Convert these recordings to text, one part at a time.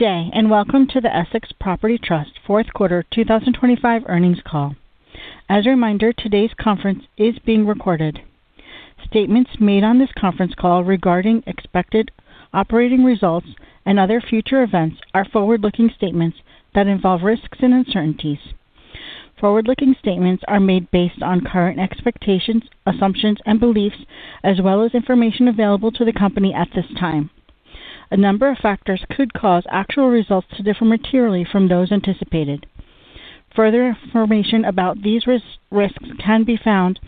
Good day, and welcome to the Essex Property Trust Fourth Quarter 2025 Earnings Call. As a reminder, today's conference is being recorded. Statements made on this conference call regarding expected operating results and other future events are forward-looking statements that involve risks and uncertainties. Forward-looking statements are made based on current expectations, assumptions, and beliefs, as well as information available to the company at this time. A number of factors could cause actual results to differ materially from those anticipated. Further information about these risks can be found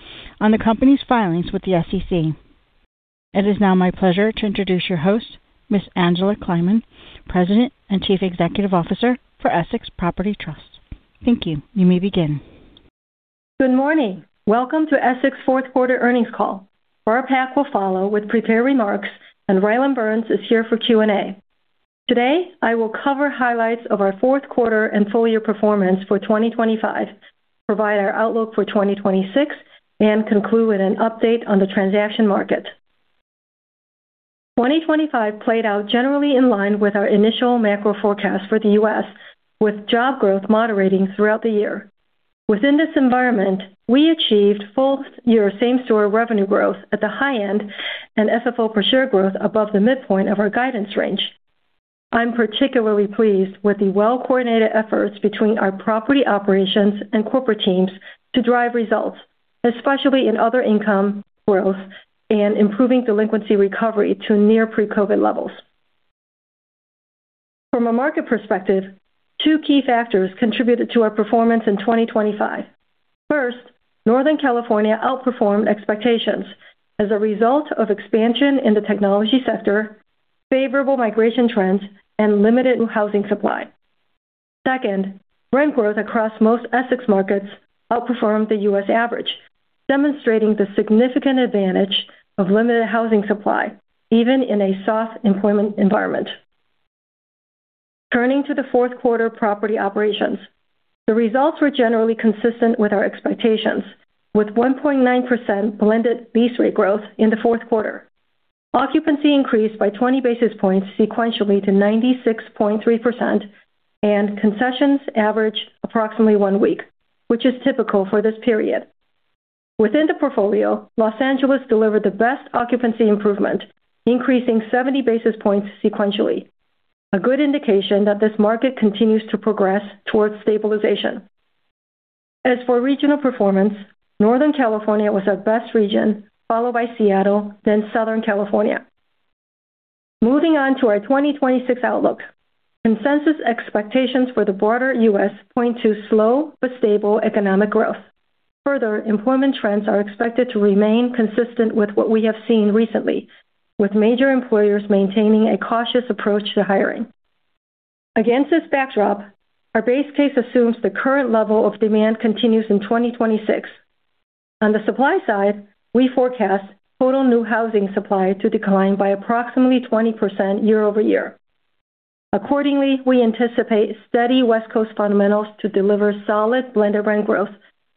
on the company's filings with the SEC. It is now my pleasure to introduce your host, Ms. Angela Kleiman, President and Chief Executive Officer for Essex Property Trust. Thank you. You may begin. Good morning. Welcome to Essex fourth quarter earnings call. Barb Pak will follow with prepared remarks, and Rylan Burns is here for Q&A. Today, I will cover highlights of our fourth quarter and full year performance for 2025, provide our outlook for 2026, and conclude with an update on the transaction market. 2025 played out generally in line with our initial macro forecast for the U.S., with job growth moderating throughout the year. Within this environment, we achieved full year same-store revenue growth at the high end and FFO per share growth above the midpoint of our guidance range. I'm particularly pleased with the well-coordinated efforts between our property operations and corporate teams to drive results, especially in other income growth and improving delinquency recovery to near pre-COVID levels. From a market perspective, two key factors contributed to our performance in 2025. First, Northern California outperformed expectations as a result of expansion in the technology sector, favorable migration trends, and limited new housing supply. Second, rent growth across most Essex markets outperformed the U.S. average, demonstrating the significant advantage of limited housing supply, even in a soft employment environment. Turning to the fourth quarter property operations. The results were generally consistent with our expectations, with 1.9% blended lease rate growth in the fourth quarter. Occupancy increased by 20 basis points sequentially to 96.3%, and concessions averaged approximately one week, which is typical for this period. Within the portfolio, Los Angeles delivered the best occupancy improvement, increasing 70 basis points sequentially, a good indication that this market continues to progress towards stabilization. As for regional performance, Northern California was our best region, followed by Seattle, then Southern California. Moving on to our 2026 outlook. Consensus expectations for the broader U.S. point to slow but stable economic growth. Further, employment trends are expected to remain consistent with what we have seen recently, with major employers maintaining a cautious approach to hiring. Against this backdrop, our base case assumes the current level of demand continues in 2026. On the supply side, we forecast total new housing supply to decline by approximately 20% year-over-year. Accordingly, we anticipate steady West Coast fundamentals to deliver solid blended rent growth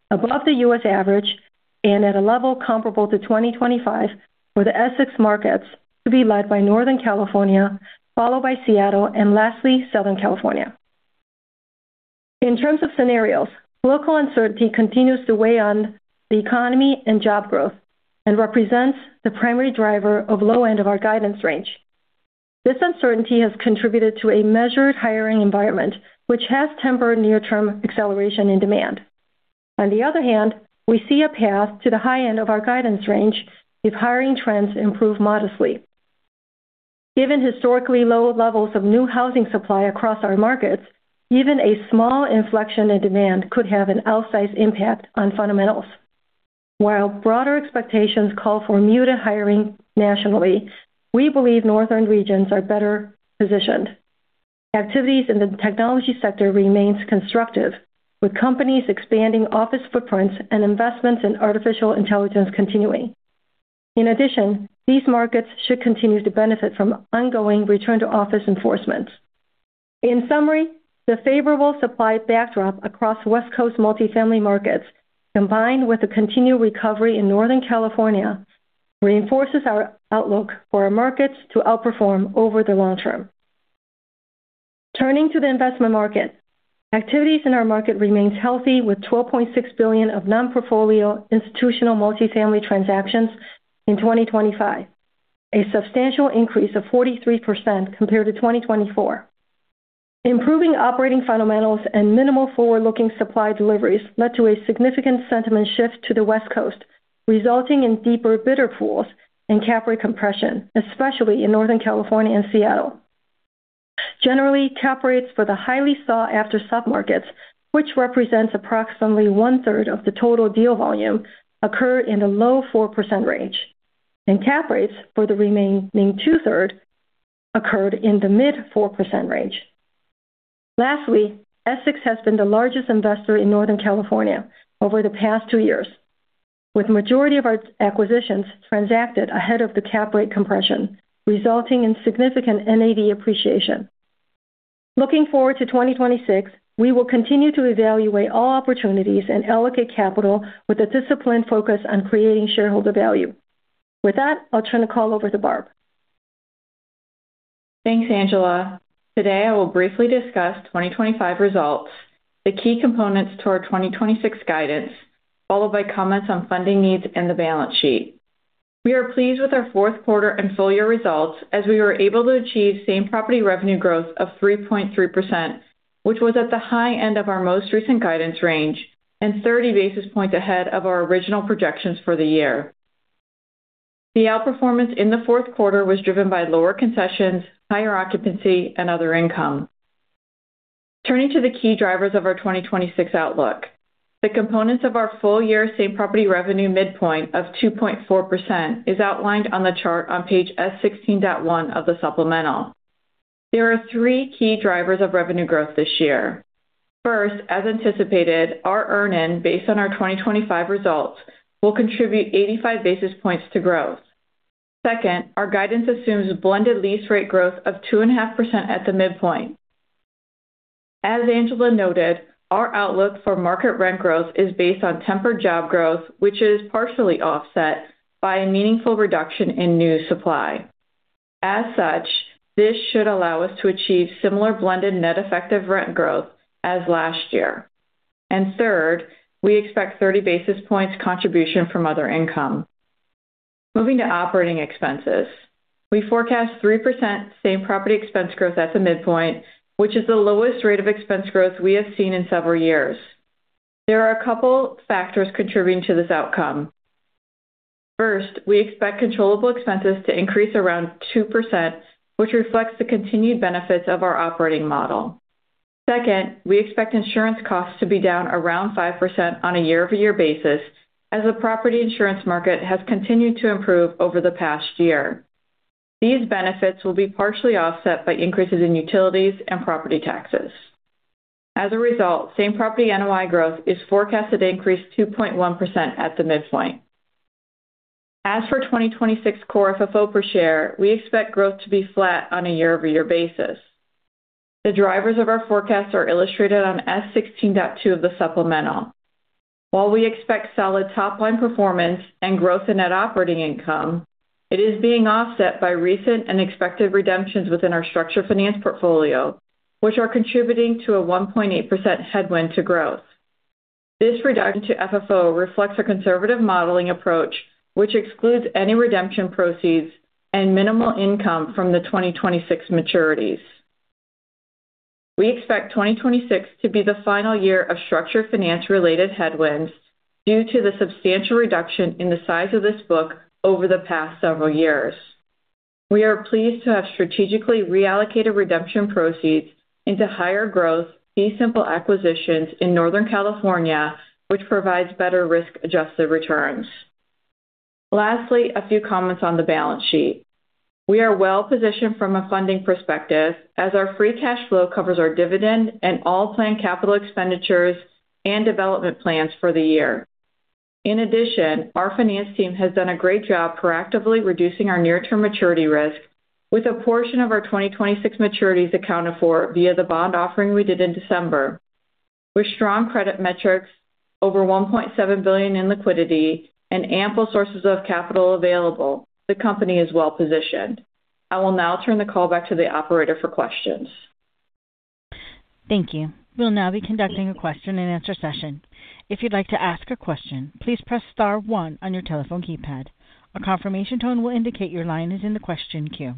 above the U.S. average and at a level comparable to 2025, with the Essex markets to be led by Northern California, followed by Seattle, and lastly, Southern California. In terms of scenarios, global uncertainty continues to weigh on the economy and job growth and represents the primary driver of low end of our guidance range. This uncertainty has contributed to a measured hiring environment, which has tempered near-term acceleration in demand. On the other hand, we see a path to the high end of our guidance range if hiring trends improve modestly. Given historically low levels of new housing supply across our markets, even a small inflection in demand could have an outsized impact on fundamentals. While broader expectations call for muted hiring nationally, we believe northern regions are better positioned. Activities in the technology sector remains constructive, with companies expanding office footprints and investments in artificial intelligence continuing. In addition, these markets should continue to benefit from ongoing return-to-office enforcement. In summary, the favorable supply backdrop across West Coast multifamily markets, combined with the continued recovery in Northern California, reinforces our outlook for our markets to outperform over the long term. Turning to the investment market. Activities in our market remain healthy, with $12.6 billion of non-portfolio institutional multifamily transactions in 2025, a substantial increase of 43% compared to 2024. Improving operating fundamentals and minimal forward-looking supply deliveries led to a significant sentiment shift to the West Coast, resulting in deeper bidder pools and cap rate compression, especially in Northern California and Seattle. Generally, cap rates for the highly sought-after submarkets, which represent approximately one-third of the total deal volume, occur in the low 4% range, and cap rates for the remaining two-thirds occurred in the mid-4% range. Lastly, Essex has been the largest investor in Northern California over the past two years, with majority of our acquisitions transacted ahead of the cap rate compression, resulting in significant NAV appreciation. Looking forward to 2026, we will continue to evaluate all opportunities and allocate capital with a disciplined focus on creating shareholder value. With that, I'll turn the call over to Barb. Thanks, Angela. Today, I will briefly discuss 2025 results, the key components to our 2026 guidance, followed by comments on funding needs and the balance sheet. We are pleased with our fourth quarter and full year results, as we were able to achieve same property revenue growth of 3.3%, which was at the high end of our most recent guidance range and 30 basis points ahead of our original projections for the year. The outperformance in the fourth quarter was driven by lower concessions, higher occupancy and other income. Turning to the key drivers of our 2026 outlook. The components of our full-year same property revenue midpoint of 2.4% is outlined on the chart on page S-16.1 of the supplemental. There are three key drivers of revenue growth this year. First, as anticipated, our earn-in based on our 2025 results will contribute 85 basis points to growth. Second, our guidance assumes blended lease rate growth of 2.5% at the midpoint. As Angela noted, our outlook for market rent growth is based on tempered job growth, which is partially offset by a meaningful reduction in new supply. As such, this should allow us to achieve similar blended net effective rent growth as last year. Third, we expect 30 basis points contribution from other income. Moving to operating expenses. We forecast 3% same property expense growth at the midpoint, which is the lowest rate of expense growth we have seen in several years. There are a couple factors contributing to this outcome. First, we expect controllable expenses to increase around 2%, which reflects the continued benefits of our operating model. Second, we expect insurance costs to be down around 5% on a year-over-year basis as the property insurance market has continued to improve over the past year. These benefits will be partially offset by increases in utilities and property taxes. As a result, same-property NOI growth is forecasted to increase 2.1% at the midpoint. As for 2026 Core FFO per share, we expect growth to be flat on a year-over-year basis. The drivers of our forecast are illustrated on S16.2 of the supplemental. While we expect solid top-line performance and growth in net operating income, it is being offset by recent and expected redemptions within our Structured Finance portfolio, which are contributing to a 1.8% headwind to growth. This reduction to FFO reflects a conservative modeling approach, which excludes any redemption proceeds and minimal income from the 2026 maturities. We expect 2026 to be the final year of structured finance-related headwinds due to the substantial reduction in the size of this book over the past several years. We are pleased to have strategically reallocated redemption proceeds into higher growth, fee simple acquisitions in Northern California, which provides better risk-adjusted returns. Lastly, a few comments on the balance sheet. We are well positioned from a funding perspective as our free cash flow covers our dividend and all planned capital expenditures and development plans for the year. In addition, our finance team has done a great job proactively reducing our near-term maturity risk with a portion of our 2026 maturities accounted for via the bond offering we did in December. With strong credit metrics, over $1.7 billion in liquidity and ample sources of capital available, the company is well positioned. I will now turn the call back to the operator for questions. Thank you. We'll now be conducting a question-and-answer session. If you'd like to ask a question, please press star one on your telephone keypad. A confirmation tone will indicate your line is in the question queue.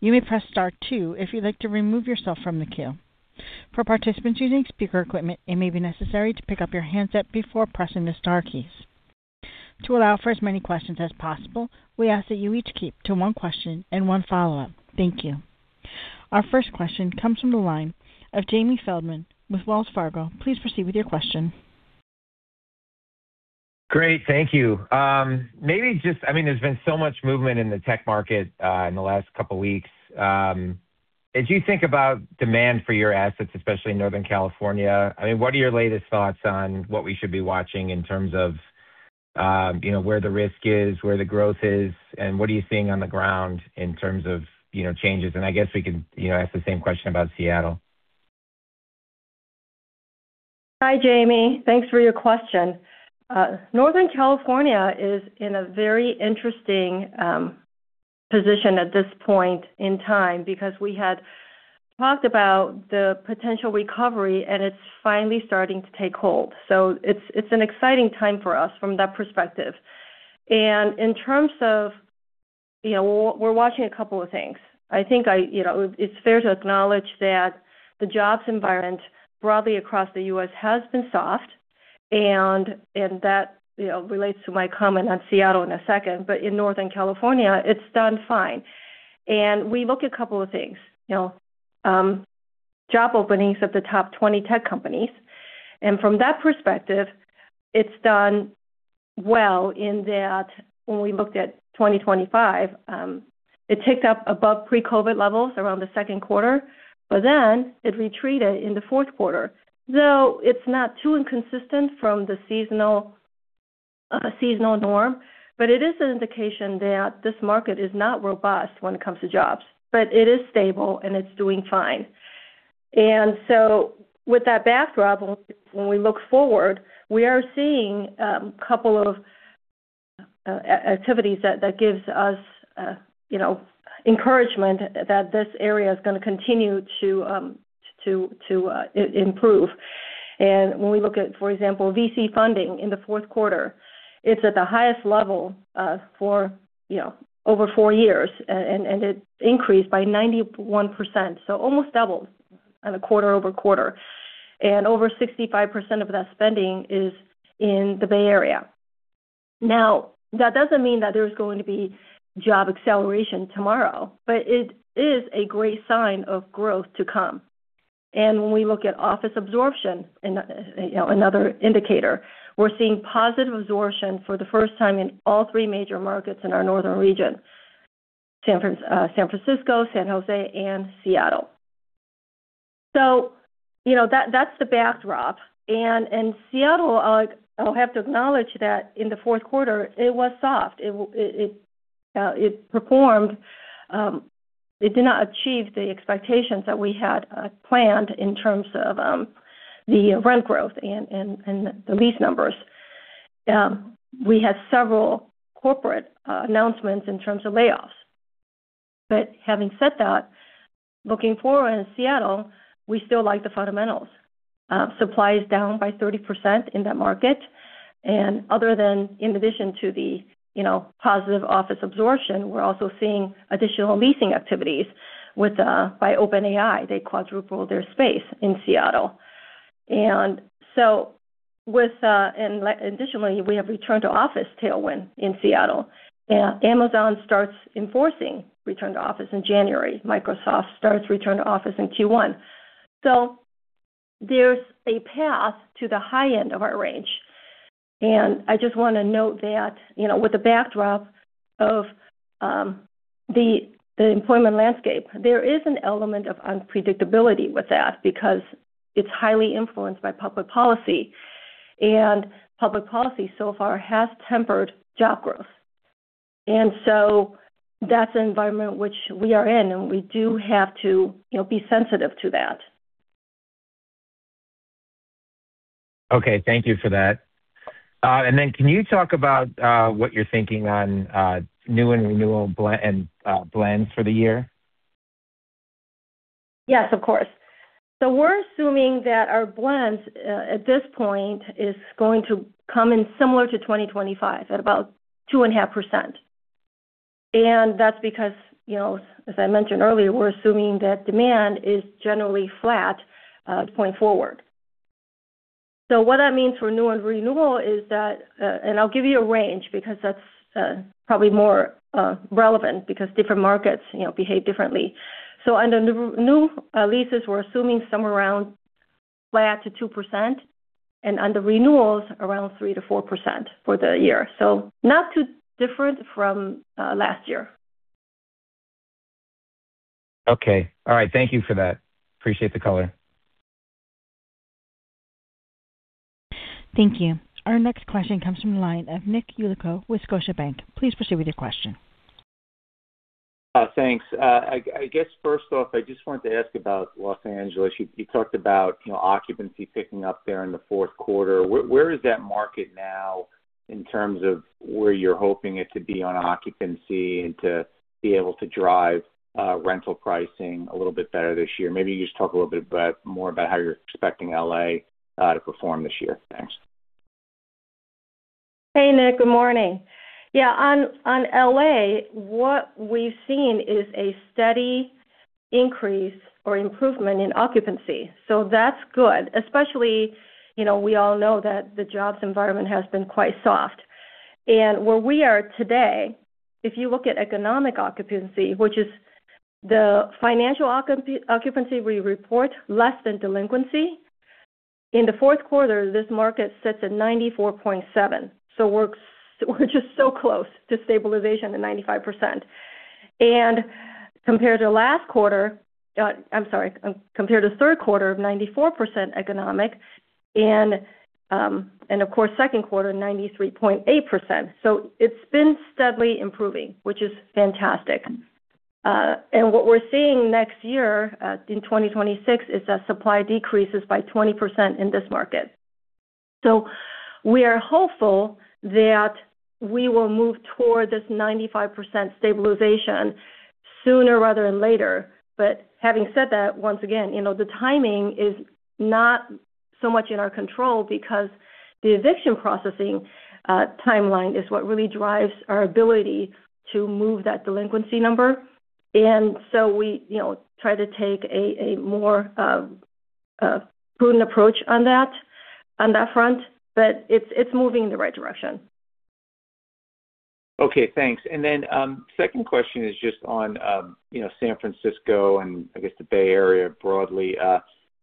You may press star two if you'd like to remove yourself from the queue. For participants using speaker equipment, it may be necessary to pick up your handset before pressing the star keys. To allow for as many questions as possible, we ask that you each keep to one question and one follow-up. Thank you. Our first question comes from the line of Jamie Feldman with Wells Fargo. Please proceed with your question. Great, thank you. Maybe just—I mean, there's been so much movement in the tech market in the last couple weeks. As you think about demand for your assets, especially in Northern California, I mean, what are your latest thoughts on what we should be watching in terms of, you know, where the risk is, where the growth is, and what are you seeing on the ground in terms of, you know, changes? And I guess we can, you know, ask the same question about Seattle. Hi, Jamie. Thanks for your question. Northern California is in a very interesting position at this point in time because we had talked about the potential recovery, and it's finally starting to take hold. So it's an exciting time for us from that perspective. And in terms of... You know, we're watching a couple of things. I think you know, it's fair to acknowledge that the jobs environment broadly across the U.S. has been soft, and that you know, relates to my comment on Seattle in a second. But in Northern California, it's done fine. We look at a couple of things, you know, job openings at the top 20 tech companies, and from that perspective, it's done well in that when we looked at 2025, it ticked up above pre-COVID levels around the second quarter, but then it retreated in the fourth quarter. So it's not too inconsistent from the seasonal, seasonal norm, but it is an indication that this market is not robust when it comes to jobs, but it is stable, and it's doing fine... With that backdrop, when we look forward, we are seeing a couple of activities that gives us, you know, encouragement that this area is going to continue to improve. When we look at, for example, VC funding in the fourth quarter, it's at the highest level for, you know, over four years, and it increased by 91%, so almost doubled on a quarter-over-quarter basis. Over 65% of that spending is in the Bay Area. Now, that doesn't mean that there's going to be job acceleration tomorrow, but it is a great sign of growth to come. When we look at office absorption, you know, another indicator, we're seeing positive absorption for the first time in all three major markets in our northern region, San Fran, San Francisco, San Jose and Seattle. So, you know, that, that's the backdrop. In Seattle, I'll have to acknowledge that in the fourth quarter, it was soft. It performed. It did not achieve the expectations that we had planned in terms of the rent growth and the lease numbers. We had several corporate announcements in terms of layoffs. But having said that, looking forward in Seattle, we still like the fundamentals. Supply is down by 30% in that market, and other than in addition to the, you know, positive office absorption, we're also seeing additional leasing activities with by OpenAI. They quadrupled their space in Seattle. And so with and additionally, we have return to office tailwind in Seattle. Amazon starts enforcing return to office in January. Microsoft starts return to office in Q1. So there's a path to the high end of our range. I just want to note that, you know, with the backdrop of the employment landscape, there is an element of unpredictability with that because it's highly influenced by public policy, and public policy so far has tempered job growth. So that's an environment which we are in, and we do have to, you know, be sensitive to that. Okay, thank you for that. And then can you talk about what you're thinking on new and renewal blends for the year? Yes, of course. So we're assuming that our blends, at this point, is going to come in similar to 2025, at about 2.5%. And that's because, you know, as I mentioned earlier, we're assuming that demand is generally flat, going forward. So what that means for new and renewal is that, and I'll give you a range, because that's probably more relevant, because different markets, you know, behave differently. So under the new leases, we're assuming somewhere around flat to 2%, and under renewals, around 3%-4% for the year. So not too different from last year. Okay. All right, thank you for that. Appreciate the color. Thank you. Our next question comes from the line of Nick Yulico with Scotiabank. Please proceed with your question. Thanks. I guess first off, I just wanted to ask about Los Angeles. You talked about, you know, occupancy picking up there in the fourth quarter. Where is that market now in terms of where you're hoping it to be on occupancy and to be able to drive rental pricing a little bit better this year? Maybe you just talk a little bit about more about how you're expecting LA to perform this year. Thanks. Hey, Nick. Good morning. Yeah, on LA, what we've seen is a steady increase or improvement in occupancy, so that's good. Especially, you know, we all know that the jobs environment has been quite soft. And where we are today, if you look at economic occupancy, which is the financial occupancy, we report less than delinquency. In the fourth quarter, this market sits at 94.7, so we're just so close to stabilization at 95%. And compared to last quarter, I'm sorry, compared to third quarter of 94% economic and, and of course, second quarter, 93.8%. So it's been steadily improving, which is fantastic. And what we're seeing next year, in 2026, is that supply decreases by 20% in this market. So we are hopeful that we will move toward this 95% stabilization sooner rather than later. But having said that, once again, you know, the timing is not so much in our control because the eviction processing timeline is what really drives our ability to move that delinquency number. And so we, you know, try to take a more prudent approach on that front, but it's moving in the right direction. Okay, thanks. And then, second question is just on, you know, San Francisco and I guess the Bay Area broadly.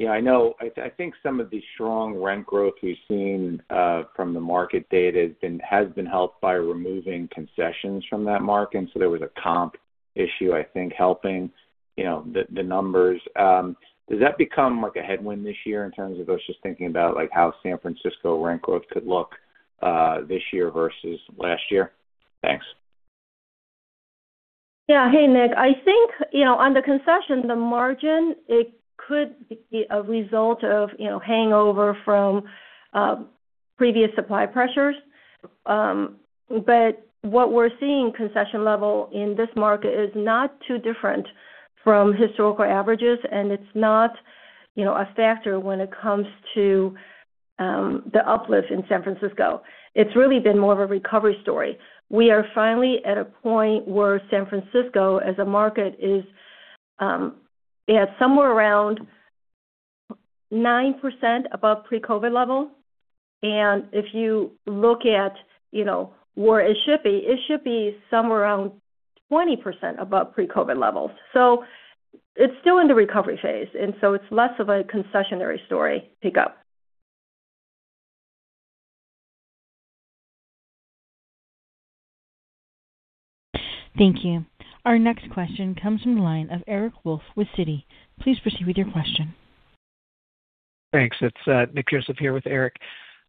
You know, I know—I, I think some of the strong rent growth we've seen from the market data has been, has been helped by removing concessions from that market, and so there was a comp issue, I think, helping, you know, the, the numbers. Does that become, like, a headwind this year in terms of us just thinking about, like, how San Francisco rent growth could look this year versus last year? Thanks. Yeah. Hey, Nick. I think, you know, on the concession, the margin, it could be a result of, you know, hangover from previous supply pressures. But what we're seeing concession level in this market is not too different from historical averages, and it's not, you know, a factor when it comes to the uplift in San Francisco. It's really been more of a recovery story. We are finally at a point where San Francisco, as a market, is somewhere around 9% above pre-COVID level. And if you look at, you know, where it should be, it should be somewhere around 20% above pre-COVID levels. So it's still in the recovery phase, and so it's less of a concessionary story pick up. Thank you. Our next question comes from the line of Eric Wolfe with Citi. Please proceed with your question. Thanks. It's Nick Joseph up here with Eric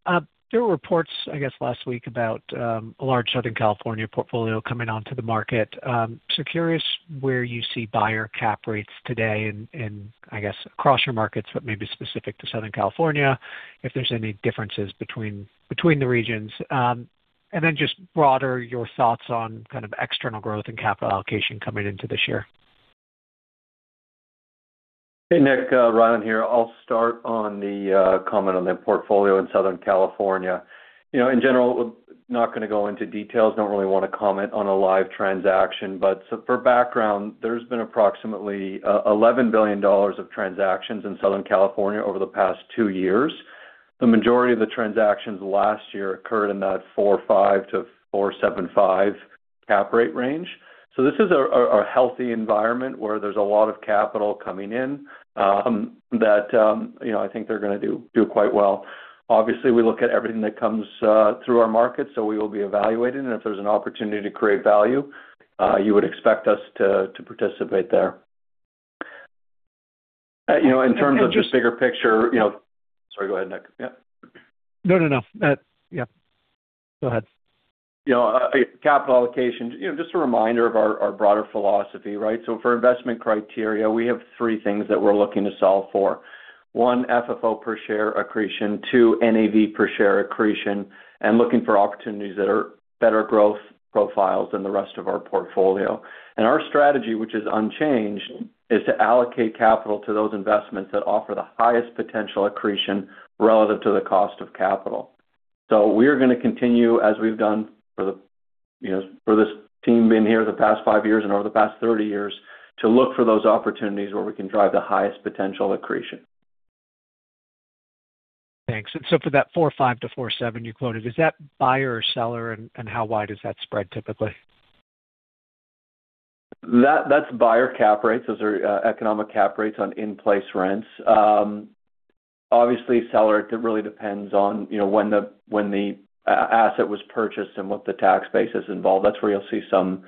Wolfe. There were reports, I guess, last week about a large Southern California portfolio coming onto the market. So curious where you see buyer cap rates today in, I guess, across your markets, but maybe specific to Southern California, if there's any differences between the regions. And then just broader, your thoughts on kind of external growth and capital allocation coming into this year. Hey, Nick, Rylan here. I'll start on the comment on the portfolio in Southern California. You know, in general, not gonna go into details, don't really want to comment on a live transaction, but so for background, there's been approximately $11 billion of transactions in Southern California over the past two years. The majority of the transactions last year occurred in that 4.5-4.75 cap rate range. So this is a healthy environment where there's a lot of capital coming in, that you know, I think they're gonna do quite well. Obviously, we look at everything that comes through our market, so we will be evaluating. And if there's an opportunity to create value, you would expect us to participate there. You know, in terms of just bigger picture, you know... Sorry, go ahead, Nick. Yeah. No, no, no. Yeah, go ahead. You know, capital allocation, you know, just a reminder of our, our broader philosophy, right? So for investment criteria, we have three things that we're looking to solve for. One, FFO per share accretion, two, NAV per share accretion, and looking for opportunities that are better growth profiles than the rest of our portfolio. And our strategy, which is unchanged, is to allocate capital to those investments that offer the highest potential accretion relevant to the cost of capital. So we're gonna continue, as we've done for the, you know, for this team being here the past five years and over the past 30 years, to look for those opportunities where we can drive the highest potential accretion. Thanks. And so for that 4.5-4.7 you quoted, is that buyer or seller, and, and how wide does that spread typically? That's buyer cap rates. Those are economic cap rates on in-place rents. Obviously, seller, it really depends on, you know, when the asset was purchased and what the tax base is involved. That's where you'll see some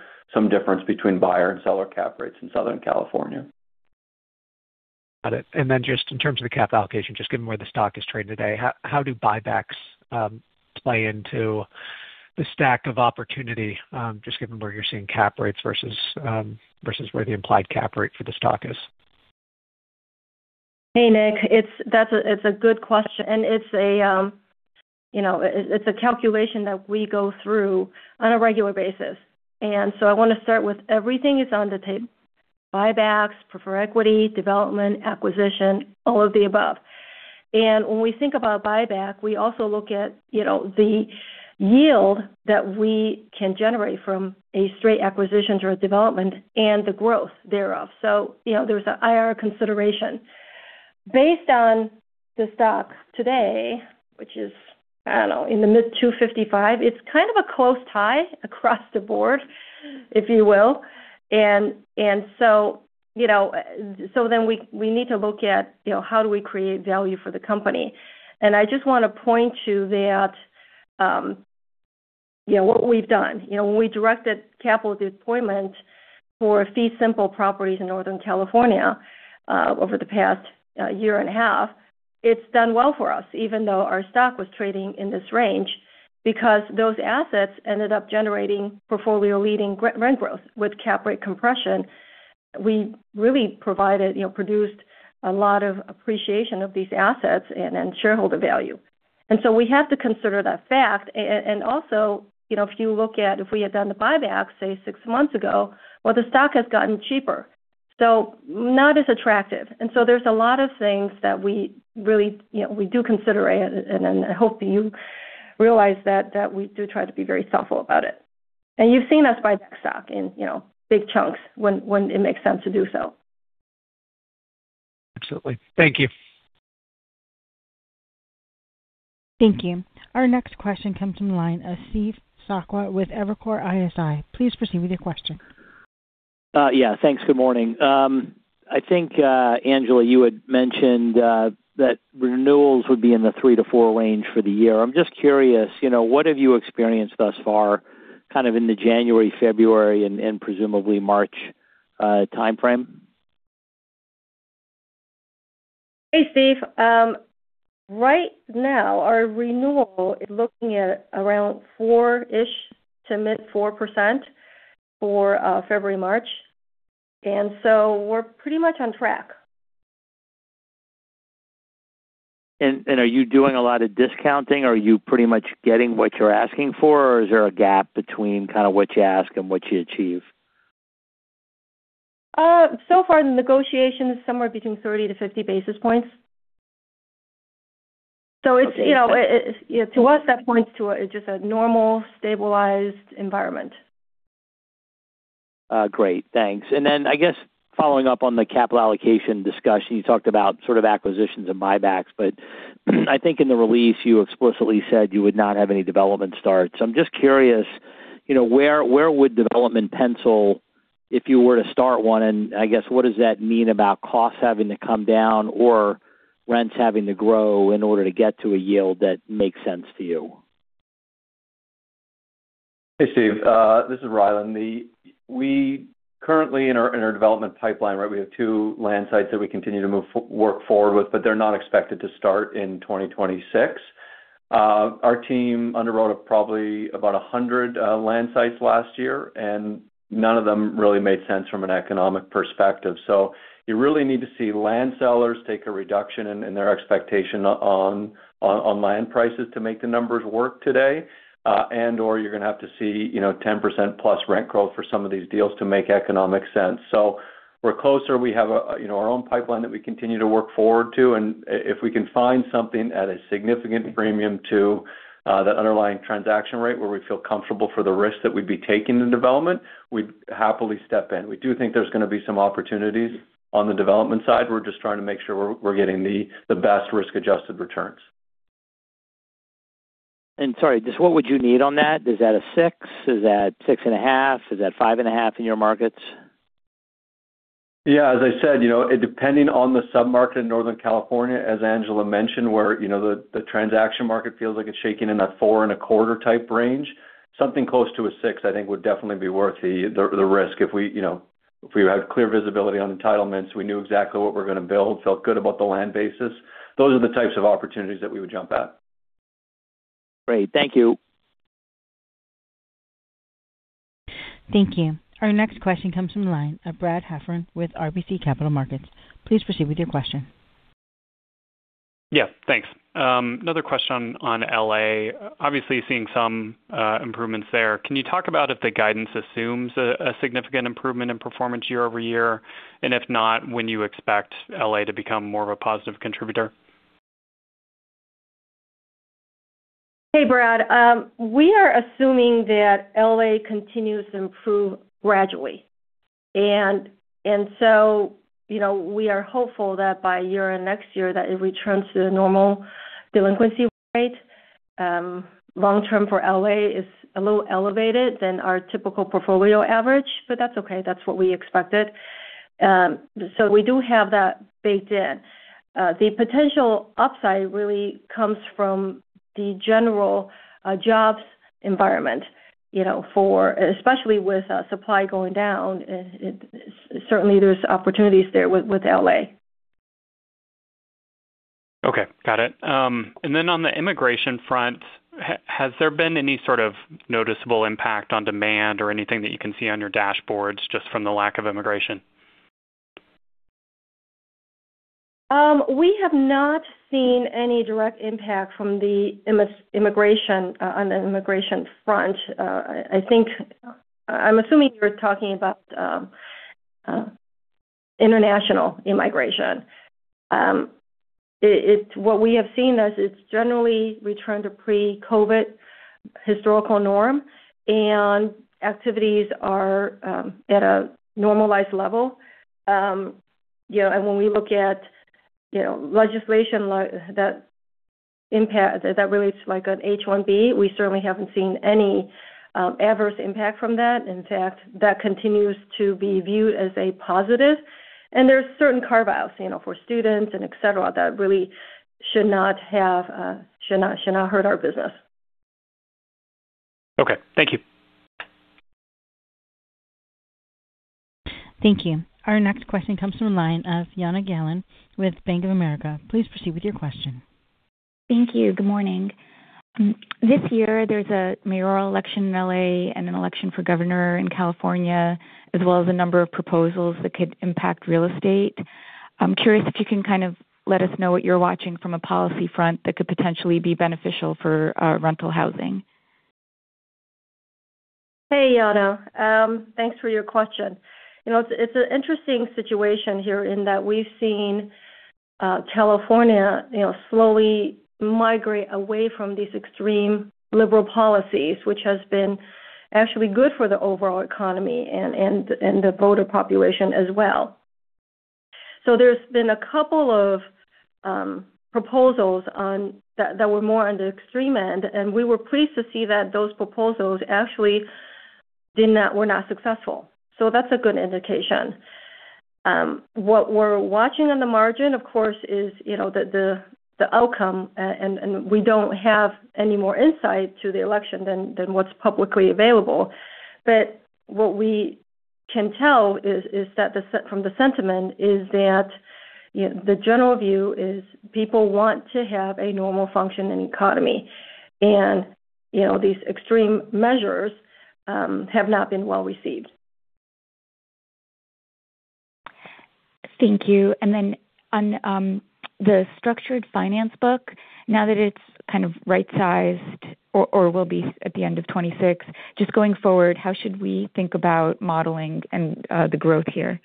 difference between buyer and seller cap rates in Southern California. Got it. And then just in terms of the cap allocation, just given where the stock is trading today, how do buybacks play into the stack of opportunity, just given where you're seeing cap rates versus where the implied cap rate for the stock is? Hey, Nick. It's a good question, and it's a, you know, it, it's a calculation that we go through on a regular basis. So I want to start with everything is on the table, buybacks, preferred equity, development, acquisition, all of the above. And when we think about buyback, we also look at, you know, the yield that we can generate from a straight acquisition towards development and the growth thereof. So, you know, there's an IR consideration. Based on the stock today, which is, I don't know, in the mid-$255, it's kind of a close tie across the board, if you will. And so, you know, so then we need to look at, you know, how do we create value for the company? And I just want to point you that, you know, what we've done. You know, when we directed capital deployment for fee simple properties in Northern California over the past year and a half, it's done well for us, even though our stock was trading in this range, because those assets ended up generating portfolio-leading rent growth with cap rate compression. We really provided, you know, produced a lot of appreciation of these assets and shareholder value. And so we have to consider that fact. And also, you know, if you look at we had done the buyback say six months ago, well, the stock has gotten cheaper, so not as attractive. And so there's a lot of things that we really, you know, we do consider and I hope that you realize that we do try to be very thoughtful about it. You've seen us buy back stock in, you know, big chunks when it makes sense to do so. Absolutely. Thank you. Thank you. Our next question comes from the line of Steve Sakwa with Evercore ISI. Please proceed with your question. Yeah, thanks. Good morning. I think, Angela, you had mentioned that renewals would be in the three-four range for the year. I'm just curious, you know, what have you experienced thus far, kind of in the January, February, and presumably March timeframe? Hey, Steve. Right now our renewal is looking at around fourish to mid-4% for February, March, and so we're pretty much on track. Are you doing a lot of discounting? Are you pretty much getting what you're asking for, or is there a gap between kind of what you ask and what you achieve? So far, the negotiation is somewhere between 30-50 basis points. So it's, you know, to us, that points to just a normal, stabilized environment. Great. Thanks. And then, I guess, following up on the capital allocation discussion, you talked about sort of acquisitions and buybacks, but I think in the release you explicitly said you would not have any development starts. I'm just curious, you know, where, where would development pencil if you were to start one? And I guess, what does that mean about costs having to come down or rents having to grow in order to get to a yield that makes sense to you? Hey, Steve, this is Rylan. We currently in our, in our development pipeline, right, we have two land sites that we continue to move forward with, but they're not expected to start in 2026. Our team underwrote probably about 100 land sites last year, and none of them really made sense from an economic perspective. So you really need to see land sellers take a reduction in their expectation on land prices to make the numbers work today. And/or you're gonna have to see, you know, 10%+ rent growth for some of these deals to make economic sense. So we're closer. We have, you know, our own pipeline that we continue to work forward to, and if we can find something at a significant premium to the underlying transaction rate, where we feel comfortable for the risk that we'd be taking in development, we'd happily step in. We do think there's gonna be some opportunities on the development side. We're just trying to make sure we're getting the best risk-adjusted returns. And sorry, just what would you need on that? Is that a six? Is that 6.5? Is that 5.5 in your markets? Yeah, as I said, you know, depending on the submarket in Northern California, as Angela mentioned, where, you know, the transaction market feels like it's shaking in a 4.25 type range, something close to asix, I think, would definitely be worth the risk. If we, you know, if we had clear visibility on entitlements, we knew exactly what we're gonna build, felt good about the land bases. Those are the types of opportunities that we would jump at. Great. Thank you. Thank you. Our next question comes from the line of Brad Heffern with RBC Capital Markets. Please proceed with your question. Yeah, thanks. Another question on LA. Obviously, seeing some improvements there. Can you talk about if the guidance assumes a significant improvement in performance year-over-year? And if not, when do you expect LA to become more of a positive contributor? Hey, Brad. We are assuming that LA continues to improve gradually, and so, you know, we are hopeful that by year and next year, that it returns to the normal delinquency rate. Long term for LA is a little elevated than our typical portfolio average, but that's okay, that's what we expected. So we do have that baked in. The potential upside really comes from the general jobs environment, you know, for especially with supply going down, certainly there's opportunities there with LA. Okay, got it. And then on the immigration front, has there been any sort of noticeable impact on demand or anything that you can see on your dashboards just from the lack of immigration? We have not seen any direct impact from the immigration on the immigration front. I think I'm assuming you're talking about international immigration. What we have seen is it's generally returned to pre-COVID historical norm, and activities are at a normalized level. You know, and when we look at, you know, legislation like that impact that relates to, like, an H-1B, we certainly haven't seen any adverse impact from that. In fact, that continues to be viewed as a positive, and there are certain carve-outs, you know, for students and et cetera, that really should not hurt our business. Okay, thank you. Thank you. Our next question comes from the line of Jana Galan with Bank of America. Please proceed with your question. Thank you. Good morning. This year, there's a mayoral election in L.A. and an election for governor in California, as well as a number of proposals that could impact real estate. I'm curious if you can kind of let us know what you're watching from a policy front that could potentially be beneficial for rental housing? Hey, Jana, thanks for your question. You know, it's, it's an interesting situation here in that we've seen, California, you know, slowly migrate away from these extreme liberal policies, which has been actually good for the overall economy and, and, and the voter population as well. So there's been a couple of, proposals that were more on the extreme end, and we were pleased to see that those proposals actually did not were not successful. So that's a good indication. What we're watching on the margin, of course, is, you know, the, the, the outcome, and, and we don't have any more insight to the election than, than what's publicly available. But what we can tell is that the sentiment is that the general view is people want to have a normal functioning economy. You know, these extreme measures have not been well received. Thank you. And then, on the structured finance book, now that it's kind of right-sized or will be at the end of 2026, just going forward, how should we think about modeling and the growth here?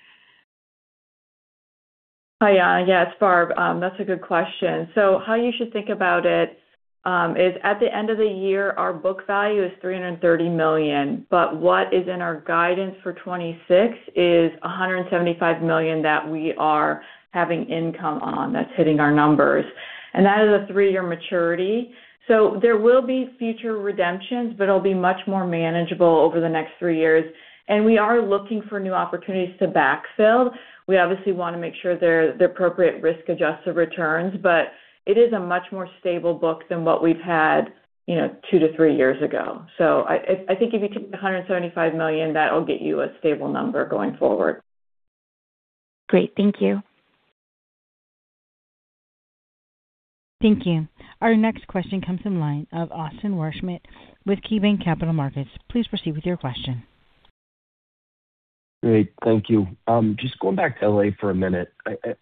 Hi, yeah, it's Barb. That's a good question. So how you should think about it is at the end of the year, our book value is $330 million, but what is in our guidance for 2026 is $175 million that we are having income on, that's hitting our numbers. And that is a three year maturity. So there will be future redemptions, but it'll be much more manageable over the next three years, and we are looking for new opportunities to backfill. We obviously want to make sure they're the appropriate risk-adjusted returns, but it is a much more stable book than what we've had, you know, two-three years ago. So I think if you took the $175 million, that'll get you a stable number going forward. Great. Thank you. Thank you. Our next question comes in line of Austin Wurschmidt with KeyBanc Capital Markets. Please proceed with your question. Great, thank you. Just going back to L.A. for a minute.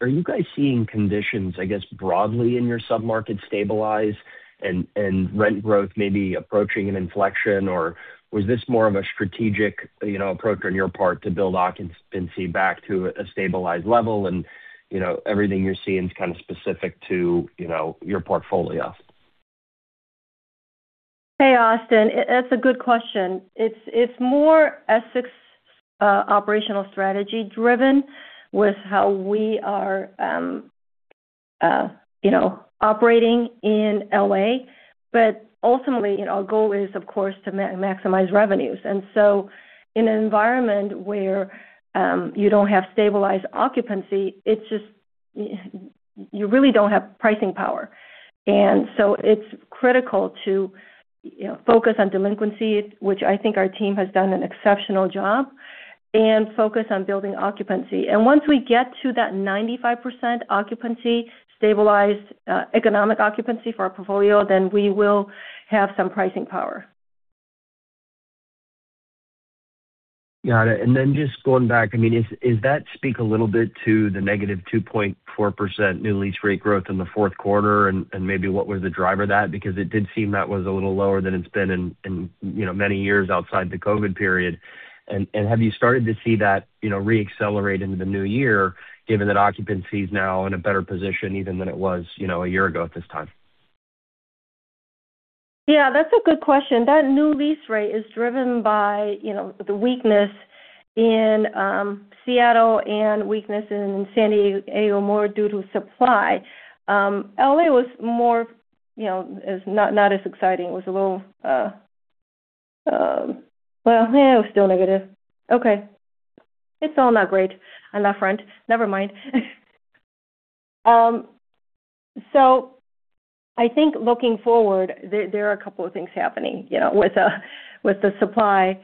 Are you guys seeing conditions, I guess, broadly in your submarket stabilize and rent growth maybe approaching an inflection, or was this more of a strategic, you know, approach on your part to build occupancy back to a stabilized level? And, you know, everything you're seeing is kind of specific to, you know, your portfolio. Hey, Austin, that's a good question. It's, it's more Essex operational strategy driven with how we are, you know, operating in LA. But ultimately, you know, our goal is, of course, to maximize revenues. And so in an environment where, you don't have stabilized occupancy, it's just, you really don't have pricing power. And so it's critical to, you know, focus on delinquency, which I think our team has done an exceptional job, and focus on building occupancy. And once we get to that 95% occupancy, stabilized, economic occupancy for our portfolio, then we will have some pricing power. Got it. And then just going back, I mean, does that speak a little bit to the negative 2.4% new lease rate growth in the fourth quarter? And maybe what was the driver of that? Because it did seem that was a little lower than it's been in, in, you know, many years outside the COVID period. And have you started to see that, you know, reaccelerate into the new year, given that occupancy is now in a better position even than it was, you know, a year ago at this time? Yeah, that's a good question. That new lease rate is driven by, you know, the weakness in Seattle and weakness in San Diego, more due to supply. LA was more, you know, is not, not as exciting. It was a little, well, yeah, it was still negative. Okay. It's all not great on that front. Never mind. So I think looking forward, there, there are a couple of things happening, you know, with the supply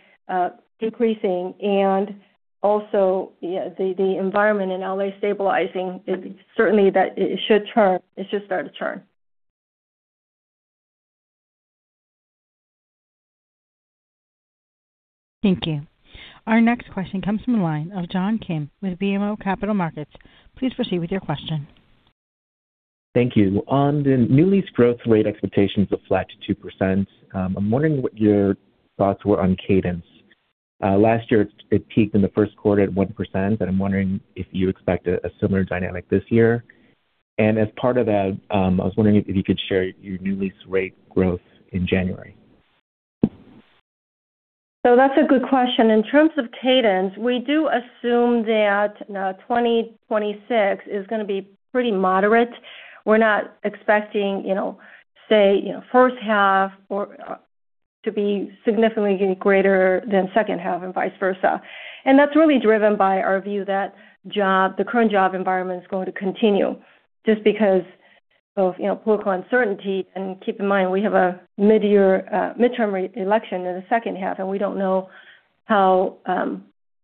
decreasing and also, yeah, the, the environment in LA stabilizing, it certainly that it should turn. It should start to turn. Thank you. Our next question comes from the line of John Kim with BMO Capital Markets. Please proceed with your question. Thank you. On the new lease growth rate, expectations of flat to 2%, I'm wondering what your thoughts were on cadence. Last year, it peaked in the first quarter at 1%, and I'm wondering if you expect a similar dynamic this year. And as part of that, I was wondering if you could share your new lease rate growth in January. So that's a good question. In terms of cadence, we do assume that 2026 is gonna be pretty moderate. We're not expecting, you know, say, you know, first half or to be significantly greater than second half and vice versa. And that's really driven by our view that the current job environment is going to continue just because of, you know, political uncertainty. And keep in mind, we have a midyear midterm reelection in the second half, and we don't know how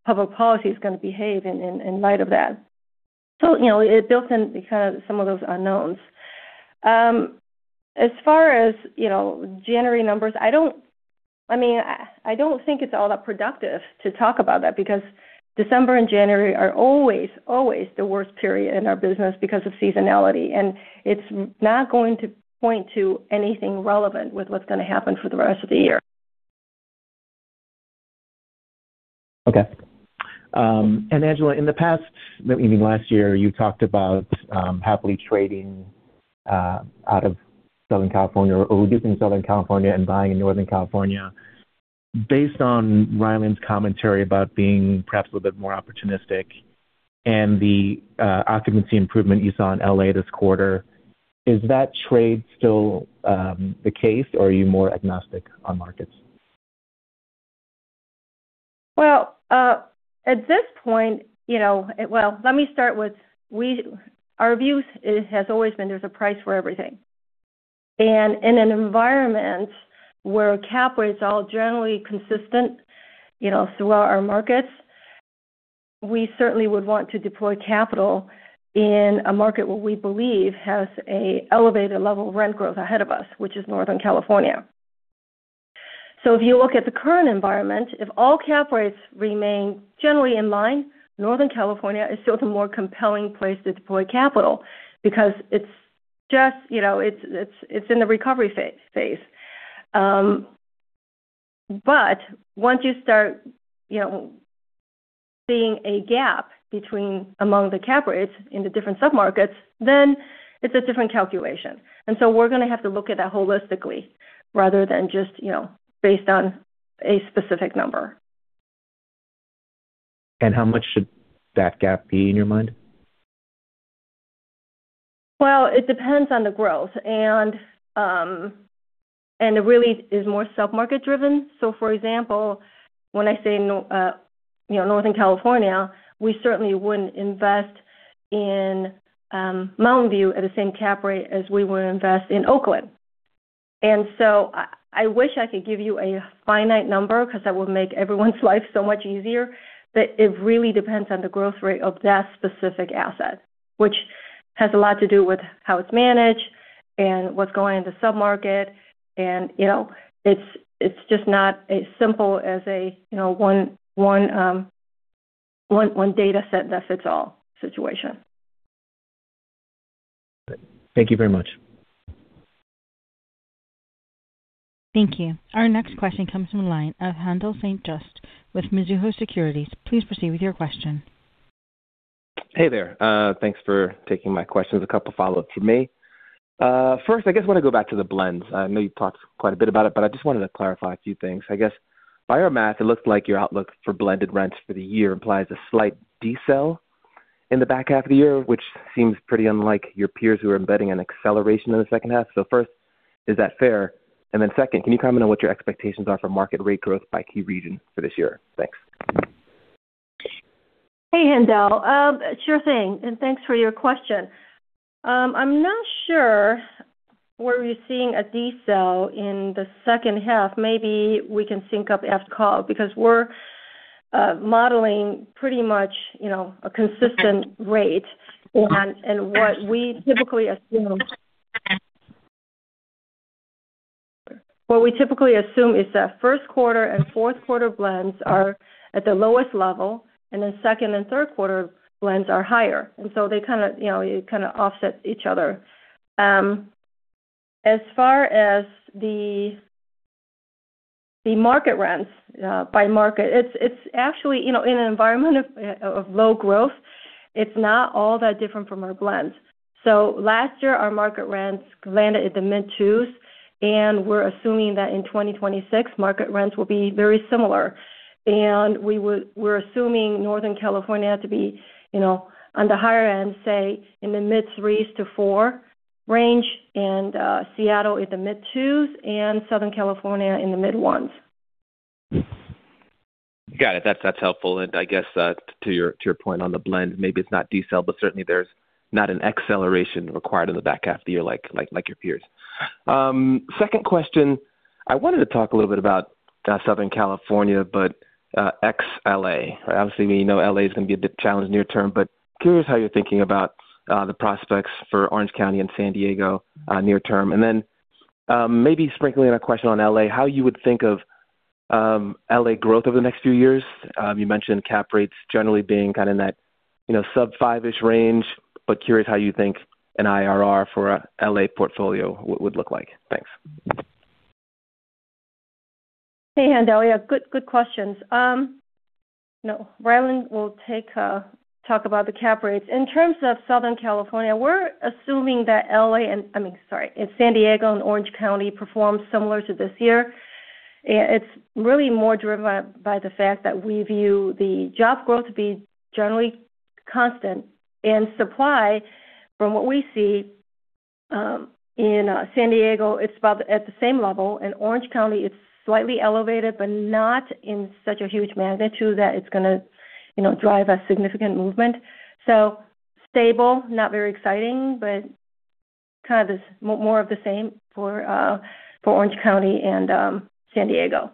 public policy is gonna behave in light of that. So, you know, it builds in because some of those unknowns. As far as, you know, January numbers, I mean, I don't think it's all that productive to talk about that, because December and January are always, always the worst period in our business because of seasonality, and it's not going to point to anything relevant with what's gonna happen for the rest of the year. Okay. And Angela, in the past, I mean, last year, you talked about happily trading out of Southern California, or reducing Southern California and buying in Northern California. Based on Rylan's commentary about being perhaps a little bit more opportunistic and the occupancy improvement you saw in LA this quarter, is that trade still the case, or are you more agnostic on markets? Well, at this point, you know, well, let me start with our view is, has always been there's a price for everything. And in an environment where cap rates are generally consistent, you know, throughout our markets, we certainly would want to deploy capital in a market where we believe has a elevated level of rent growth ahead of us, which is Northern California. So if you look at the current environment, if all cap rates remain generally in line, Northern California is still the more compelling place to deploy capital because it's just, you know, it's in the recovery phase. But once you start, you know, seeing a gap between among the cap rates in the different submarkets, then it's a different calculation. And so we're gonna have to look at that holistically rather than just, you know, based on a specific number. How much should that gap be, in your mind? Well, it depends on the growth, and it really is more submarket driven. So, for example, when I say, you know, Northern California, we certainly wouldn't invest in Mountain View at the same cap rate as we would invest in Oakland. And so I wish I could give you a finite number, because that would make everyone's life so much easier. But it really depends on the growth rate of that specific asset, which has a lot to do with how it's managed and what's going on in the submarket. And, you know, it's just not as simple as a, you know, one-size-fits-all situation. Thank you very much. Thank you. Our next question comes from the line of Haendel St. Juste with Mizuho Securities. Please proceed with your question. Hey there. Thanks for taking my questions. A couple follow-ups from me. First, I guess I wanna go back to the blends. I know you talked quite a bit about it, but I just wanted to clarify a few things. I guess, by our math, it looks like your outlook for blended rents for the year implies a slight decel in the back half of the year, which seems pretty unlike your peers who are embedding an acceleration in the second half. So first, is that fair? And then second, can you comment on what your expectations are for market rate growth by key region for this year? Thanks. Hey, Haendel. Sure thing, and thanks for your question. I'm not sure where we're seeing a decel in the second half. Maybe we can sync up after call, because we're modeling pretty much, you know, a consistent rate. What we typically assume is that first quarter and fourth quarter blends are at the lowest level, and then second and third quarter blends are higher, and so they kind of, you know, kind of offset each other. As far as the market rents by market, it's actually, you know, in an environment of low growth, it's not all that different from our blends. So last year, our market rents landed at the mid twos, and we're assuming that in 2026, market rents will be very similar. We're assuming Northern California to be, you know, on the higher end, say in the mid-threes to 4% range, and Seattle in the mid-twos and Southern California in the mid-ones. Got it. That's helpful. And I guess to your point on the blend, maybe it's not decel, but certainly there's not an acceleration required in the back half of the year, like your peers. Second question, I wanted to talk a little bit about Southern California, but ex LA. Obviously, we know LA is gonna be a bit challenged near term, but curious how you're thinking about the prospects for Orange County and San Diego near term. And then maybe sprinkling in a question on LA, how you would think of LA growth over the next few years. You mentioned cap rates generally being kind of in that, you know, sub five-ish range, but curious how you think an IRR for a LA portfolio would look like. Thanks. Hey, Haendel. Yeah, good, good questions. No, Rylan will take talk about the cap rates. In terms of Southern California, we're assuming that L.A. and-- I mean, sorry, if San Diego and Orange County perform similar to this year, it, it's really more driven by, by the fact that we view the job growth to be generally constant. And supply, from what we see, in San Diego, it's about at the same level. In Orange County, it's slightly elevated, but not in such a huge magnitude that it's gonna, you know, drive a significant movement. So stable, not very exciting, but kind of this more, more of the same for, for Orange County and, San Diego.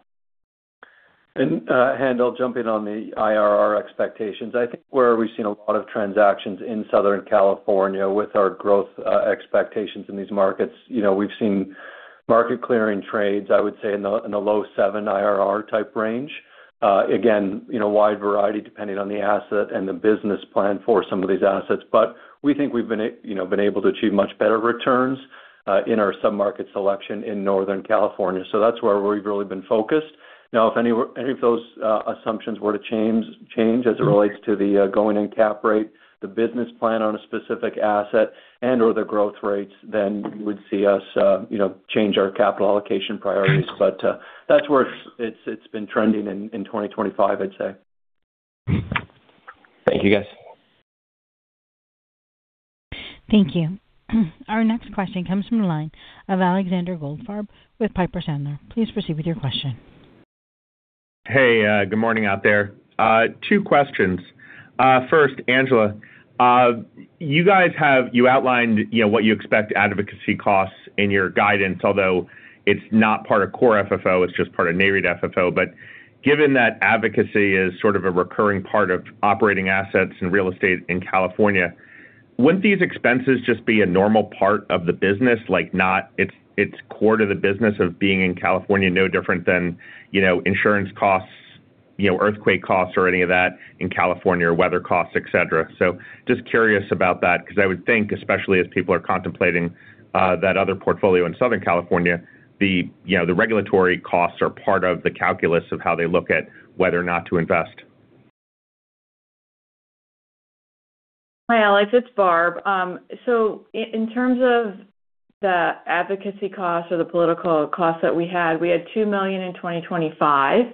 Haendel, jumping on the IRR expectations, I think where we've seen a lot of transactions in Southern California with our growth expectations in these markets, you know, we've seen market clearing trades, I would say in the low seven IRR-type range. Again, you know, wide variety depending on the asset and the business plan for some of these assets, but we think we've been, you know, able to achieve much better returns in our submarket selection in Northern California. So that's where we've really been focused. Now, if any of those assumptions were to change as it relates to the going-in cap rate, the business plan on a specific asset and/or the growth rates, then you would see us, you know, change our capital allocation priorities. That's where it's been trending in 2025, I'd say. Thank you, guys. Thank you. Our next question comes from the line of Alexander Goldfarb with Piper Sandler. Please proceed with your question. Hey, good morning out there. Two questions. First, Angela, you guys have outlined, you know, what you expect advocacy costs in your guidance, although it's not part of Core FFO, it's just part of NAREIT FFO. But given that advocacy is sort of a recurring part of operating assets in real estate in California, wouldn't these expenses just be a normal part of the business? Like, no, it's core to the business of being in California, no different than, you know, insurance costs, you know, earthquake costs or any of that in California, weather costs, et cetera. So just curious about that, because I would think, especially as people are contemplating that other portfolio in Southern California, you know, the regulatory costs are part of the calculus of how they look at whether or not to invest. Well, Alex, it's Barb. So in terms of the advocacy costs or the political costs that we had, we had $2 million in 2025.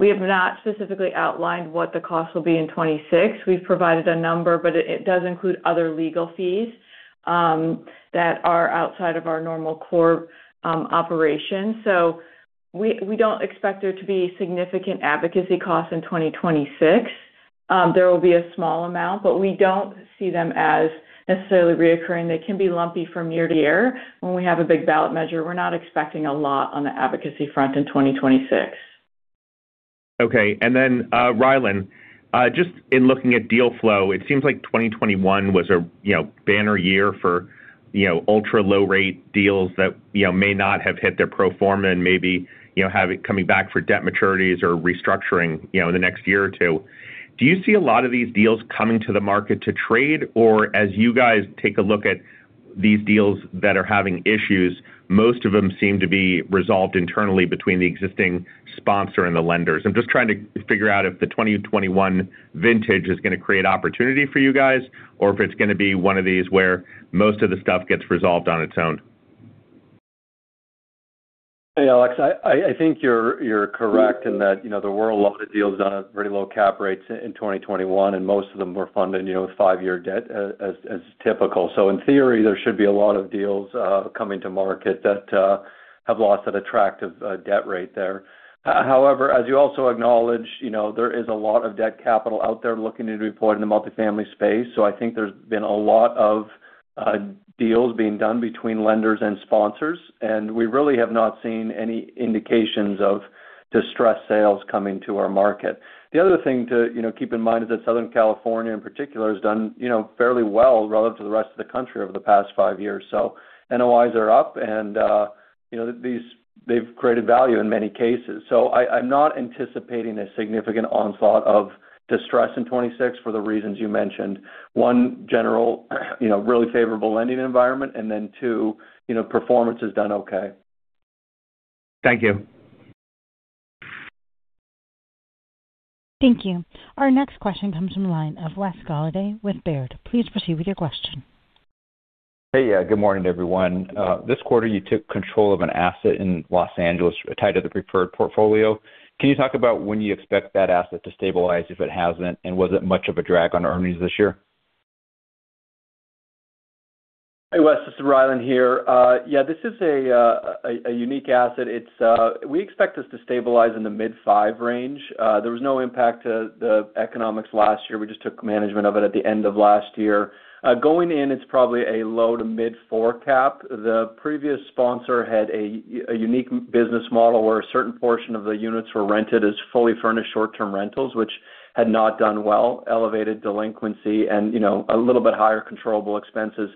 We have not specifically outlined what the costs will be in 2026. We've provided a number, but it does include other legal fees that are outside of our normal core operation. So we don't expect there to be significant advocacy costs in 2026. There will be a small amount, but we don't see them as necessarily recurring. They can be lumpy from year to year when we have a big ballot measure. We're not expecting a lot on the advocacy front in 2026. Okay. And then, Rylan, just in looking at deal flow, it seems like 2021 was a, you know, banner year for, you know, ultra-low rate deals that, you know, may not have hit their pro forma and maybe, you know, have it coming back for debt maturities or restructuring, you know, in the next year or two. Do you see a lot of these deals coming to the market to trade? Or as you guys take a look at these deals that are having issues, most of them seem to be resolved internally between the existing sponsor and the lenders. I'm just trying to figure out if the 2021 vintage is gonna create opportunity for you guys, or if it's gonna be one of these where most of the stuff gets resolved on its own. Hey, Alex, I think you're correct in that, you know, there were a lot of deals on very low cap rates in 2021, and most of them were funded, you know, with five-year debt, as typical. So in theory, there should be a lot of deals coming to market that have lost that attractive debt rate there. However, as you also acknowledged, you know, there is a lot of debt capital out there looking to deploy in the multifamily space. So I think there's been a lot of deals being done between lenders and sponsors, and we really have not seen any indications of distressed sales coming to our market. The other thing to, you know, keep in mind is that Southern California, in particular, has done, you know, fairly well relative to the rest of the country over the past five years. So NOIs are up, and, you know, these—they've created value in many cases. So I'm not anticipating a significant onslaught of distress in 2026 for the reasons you mentioned. One, general, you know, really favorable lending environment, and then two, you know, performance has done okay. Thank you. Thank you. Our next question comes from the line of Wes Golladay with Baird. Please proceed with your question. Hey, yeah, good morning, everyone. This quarter, you took control of an asset in Los Angeles, tied to the preferred portfolio. Can you talk about when you expect that asset to stabilize, if it hasn't, and was it much of a drag on earnings this year? Hey, Wes, this is Rylan here. Yeah, this is a unique asset. We expect this to stabilize in the mid-five range. There was no impact to the economics last year. We just took management of it at the end of last year. Going in, it's probably a low to mid-four cap. The previous sponsor had a unique business model, where a certain portion of the units were rented as fully furnished short-term rentals, which had not done well, elevated delinquency and, you know, a little bit higher controllable expenses.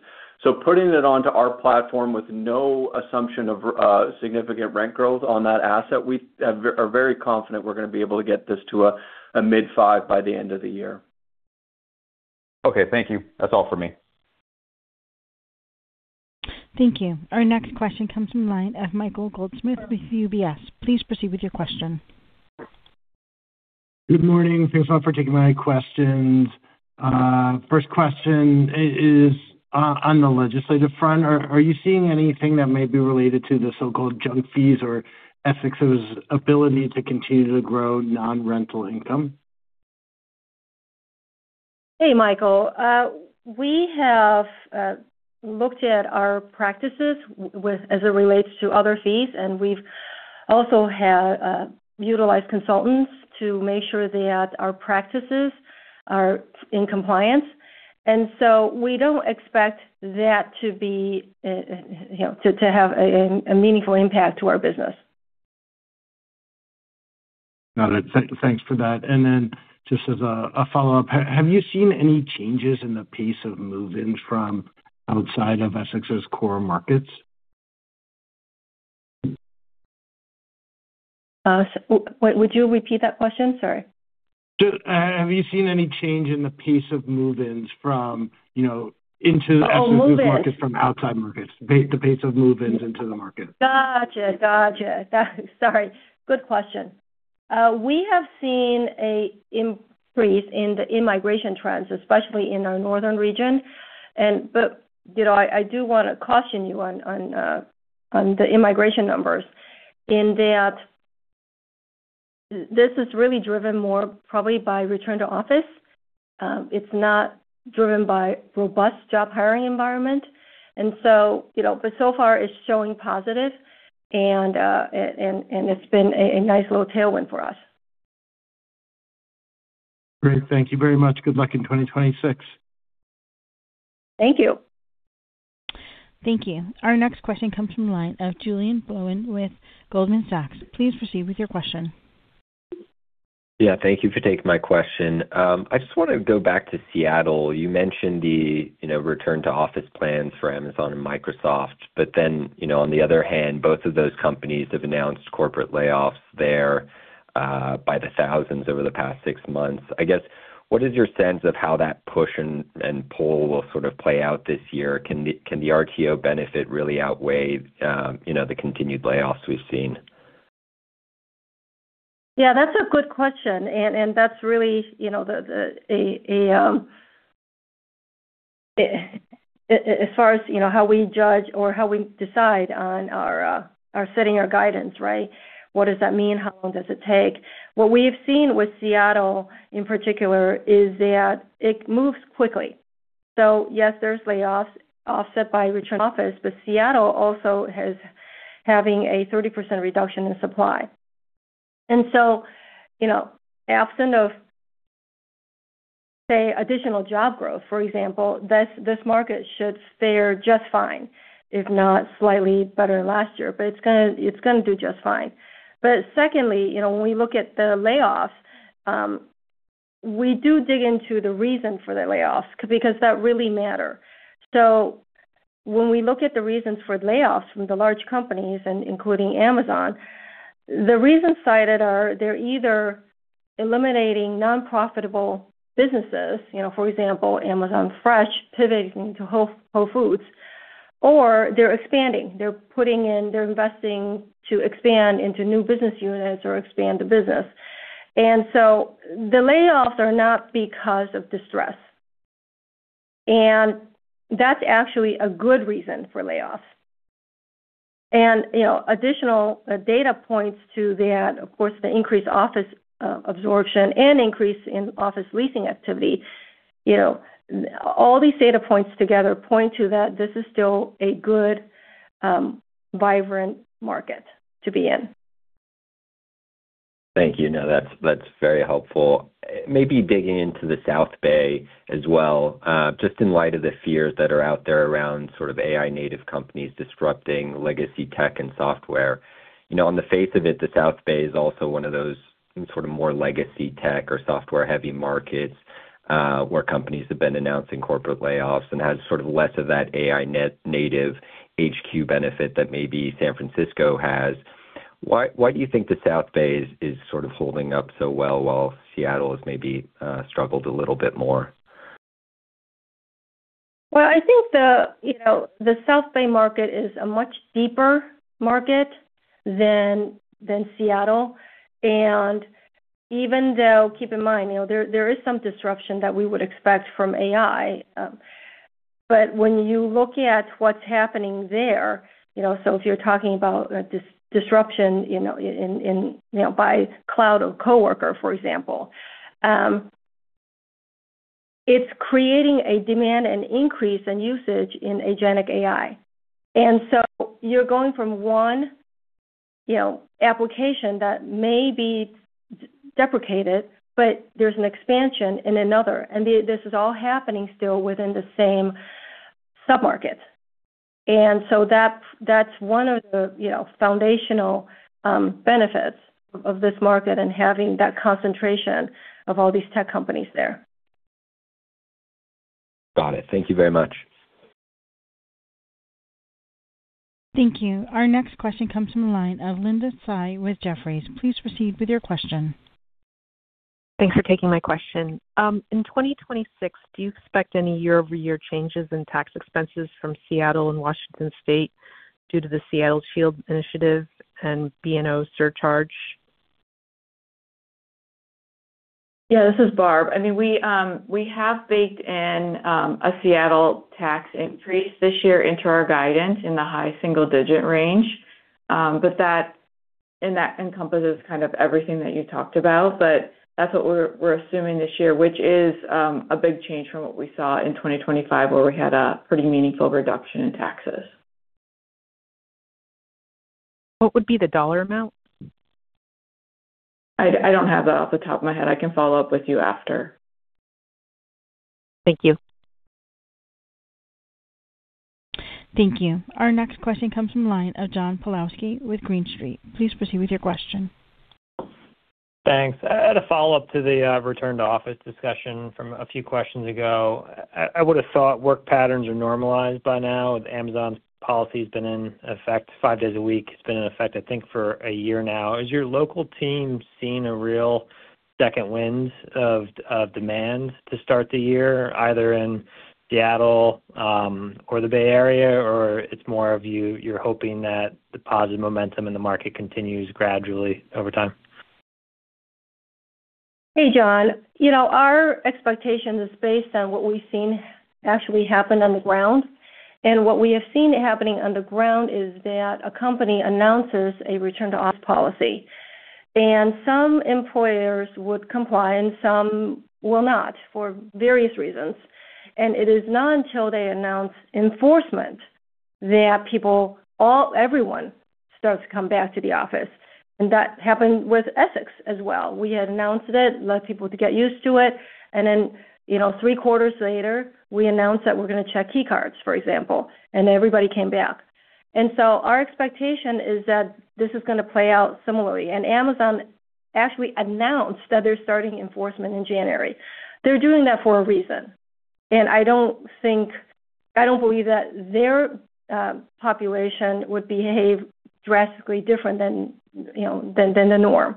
So putting it onto our platform with no assumption of significant rent growth on that asset, we are very confident we're gonna be able to get this to a mid-five by the end of the year. Okay. Thank you. That's all for me. Thank you. Our next question comes from the line of Michael Goldsmith with UBS. Please proceed with your question. Good morning. Thanks a lot for taking my questions. First question is on the legislative front. Are you seeing anything that may be related to the so-called junk fees or Essex's ability to continue to grow non-rental income? Hey, Michael. We have looked at our practices with, as it relates to other fees, and we've also utilized consultants to make sure that our practices are in compliance. So we don't expect that to be, you know, to have a meaningful impact to our business. Got it. Thanks for that. And then just as a follow-up, have you seen any changes in the pace of move-in from outside of Essex's core markets? Would you repeat that question? Sorry. Have you seen any change in the pace of move-ins from, you know, into- Oh, move-ins. From outside markets, the pace of move-ins into the market. Gotcha. Gotcha. Sorry. Good question. We have seen an increase in the immigration trends, especially in our northern region. But you know, I do wanna caution you on the immigration numbers, in that this is really driven more probably by return to office. It's not driven by robust job hiring environment. So you know, but so far it's showing positive, and it's been a nice little tailwind for us. Great. Thank you very much. Good luck in 2026. Thank you. Thank you. Our next question comes from the line of Julien Blouin with Goldman Sachs. Please proceed with your question. Yeah, thank you for taking my question. I just wanna go back to Seattle. You mentioned the, you know, return to office plans for Amazon and Microsoft, but then, you know, on the other hand, both of those companies have announced corporate layoffs there by the thousands over the past six months. I guess, what is your sense of how that push and, and pull will sort of play out this year? Can the, can the RTO benefit really outweigh, you know, the continued layoffs we've seen? Yeah, that's a good question, and that's really, you know, as far as, you know, how we judge or how we decide on our setting our guidance, right? What does that mean? How long does it take? What we have seen with Seattle, in particular, is that it moves quickly. So yes, there's layoffs offset by return to office, but Seattle also has having a 30% reduction in supply. And so, you know, absent of, say, additional job growth, for example, this market should fare just fine, if not slightly better than last year. But it's gonna do just fine. But secondly, you know, when we look at the layoffs, we do dig into the reason for the layoffs, because that really matter. So when we look at the reasons for layoffs from the large companies, and including Amazon, the reasons cited are they're either eliminating non-profitable businesses, you know, for example, Amazon Fresh pivoting to Whole Foods, or they're expanding. They're investing to expand into new business units or expand the business. And so the layoffs are not because of distress, and that's actually a good reason for layoffs. And, you know, additional data points to that, of course, the increased office absorption and increase in office leasing activity. You know, all these data points together point to that this is still a good, vibrant market to be in. Thank you. No, that's, that's very helpful. Maybe digging into the South Bay as well, just in light of the fears that are out there around sort of AI-native companies disrupting legacy tech and software. You know, on the face of it, the South Bay is also one of those sort of more legacy tech or software-heavy markets, where companies have been announcing corporate layoffs and has sort of less of that AI-native HQ benefit that maybe San Francisco has. Why, why do you think the South Bay is, is sort of holding up so well while Seattle has maybe, struggled a little bit more? Well, I think the, you know, the South Bay market is a much deeper market than, than Seattle. And even though, keep in mind, you know, there, there is some disruption that we would expect from AI, but when you look at what's happening there, you know, so if you're talking about disruption, you know, in, in, you know, by cloud or coworker, for example, it's creating a demand and increase in usage in agentic AI. And so you're going from one, you know, application that may be deprecated, but there's an expansion in another, and this is all happening still within the same submarket. And so that's, that's one of the, you know, foundational, benefits of this market and having that concentration of all these tech companies there. Got it. Thank you very much. Thank you. Our next question comes from the line of Linda Tsai with Jefferies. Please proceed with your question. Thanks for taking my question. In 2026, do you expect any year-over-year changes in tax expenses from Seattle and Washington State due to the Seattle Shield Initiative and B&O surcharge? Yeah, this is Barb. I mean, we, we have baked in a Seattle tax increase this year into our guidance in the high single-digit range, but that and that encompasses kind of everything that you talked about, but that's what we're, we're assuming this year, which is a big change from what we saw in 2025, where we had a pretty meaningful reduction in taxes. What would be the dollar amount? I don't have that off the top of my head. I can follow up with you after. Thank you. Thank you. Our next question comes from the line of John Pawlowski with Green Street. Please proceed with your question. Thanks. I had a follow-up to the return to office discussion from a few questions ago. I would've thought work patterns are normalized by now, with Amazon's policy has been in effect five days a week. It's been in effect, I think, for a year now. Has your local team seen a real second wind of demand to start the year, either in Seattle or the Bay Area, or it's more of you—you're hoping that the positive momentum in the market continues gradually over time? Hey, John. You know, our expectations is based on what we've seen actually happen on the ground. And what we have seen happening on the ground is that a company announces a return to office policy, and some employers would comply, and some will not, for various reasons. It is not until they announce enforcement that people, all, everyone starts to come back to the office. That happened with Essex as well. We had announced it, allowed people to get used to it, and then, you know, three quarters later, we announced that we're going to check key cards, for example, and everybody came back. So our expectation is that this is going to play out similarly. Amazon actually announced that they're starting enforcement in January. They're doing that for a reason, and I don't think, I don't believe that their population would behave drastically different than, you know, than the norm.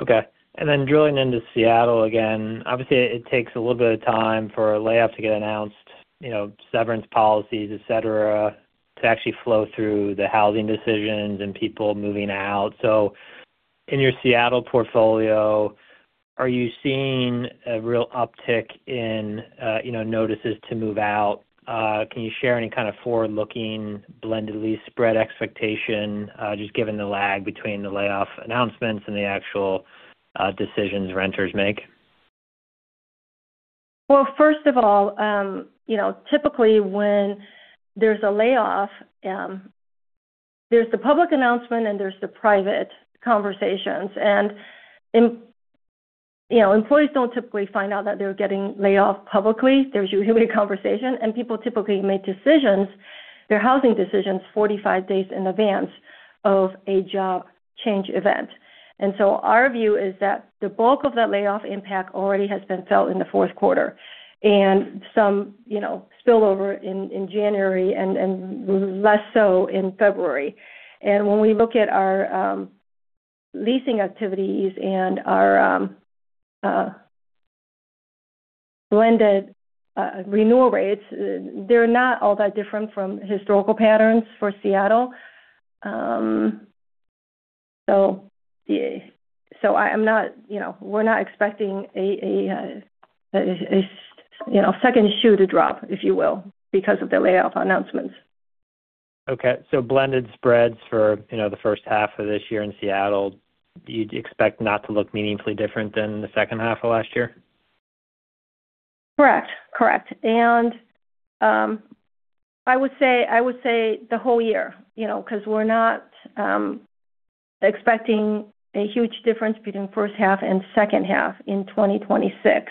Okay. And then drilling into Seattle again, obviously, it takes a little bit of time for a layoff to get announced, you know, severance policies, et cetera, to actually flow through the housing decisions and people moving out. So in your Seattle portfolio, are you seeing a real uptick in, you know, notices to move out? Can you share any kind of forward-looking blended lease spread expectation, just given the lag between the layoff announcements and the actual, decisions renters make? Well, first of all, you know, typically, when there's a layoff, there's the public announcement and there's the private conversations. And, you know, employees don't typically find out that they're getting laid off publicly. There's usually a conversation, and people typically make decisions, their housing decisions, 45 days in advance of a job change event. And so our view is that the bulk of that layoff impact already has been felt in the fourth quarter and some, you know, spillover in January and less so in February. And when we look at our leasing activities and our blended renewal rates, they're not all that different from historical patterns for Seattle. So yeah. So I'm not, you know, we're not expecting a second shoe to drop, if you will, because of the layoff announcements. Okay, so blended spreads for, you know, the first half of this year in Seattle, you'd expect not to look meaningfully different than the second half of last year? Correct. Correct. I would say, I would say the whole year, you know, because we're not expecting a huge difference between first half and second half in 2026.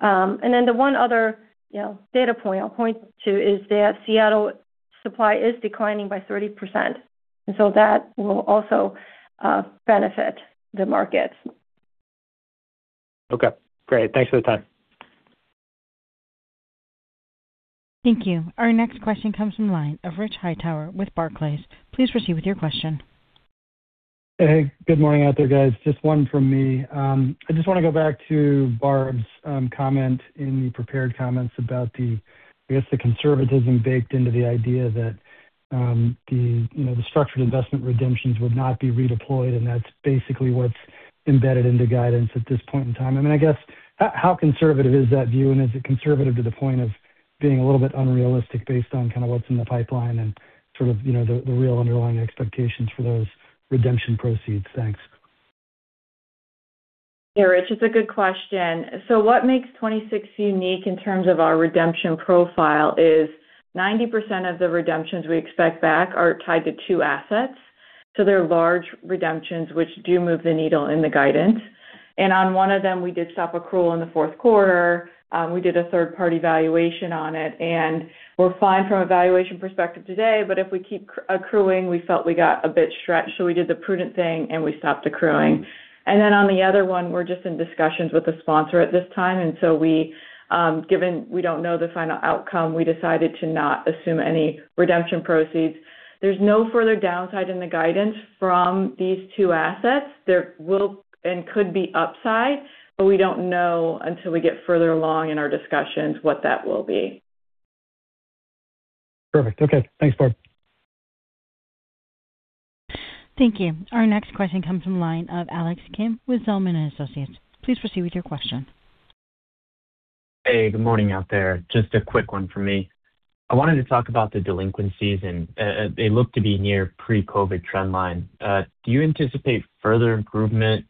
And then the one other, you know, data point I'll point to is that Seattle supply is declining by 30%, and so that will also benefit the markets. Okay, great. Thanks for the time. Thank you. Our next question comes from the line of Rich Hightower with Barclays. Please proceed with your question. Hey, good morning out there, guys. Just one from me. I just want to go back to Barb's comment in the prepared comments about the, I guess, the conservatism baked into the idea that, you know, the structured investment redemptions would not be redeployed, and that's basically what's embedded into guidance at this point in time. I mean, I guess, how, how conservative is that view? And is it conservative to the point of being a little bit unrealistic based on kind of what's in the pipeline and sort of, you know, the, the real underlying expectations for those redemption proceeds? Thanks. Yeah, Rich, it's a good question. So what makes 2026 unique in terms of our redemption profile is 90% of the redemptions we expect back are tied to 2 assets. So they're large redemptions, which do move the needle in the guidance. And on one of them, we did stop accrual in the fourth quarter. We did a third-party valuation on it, and we're fine from a valuation perspective today, but if we keep accruing, we felt we got a bit stretched, so we did the prudent thing and we stopped accruing. And then on the other one, we're just in discussions with the sponsor at this time, and so we, given we don't know the final outcome, we decided to not assume any redemption proceeds. There's no further downside in the guidance from these 2 assets. There will and could be upside, but we don't know until we get further along in our discussions what that will be. Perfect. Okay. Thanks, Barb. Thank you. Our next question comes from the line of Alex Kim with Zelman & Associates. Please proceed with your question. Hey, good morning out there. Just a quick one for me. I wanted to talk about the delinquencies, and they look to be near pre-COVID trend line. Do you anticipate further improvement,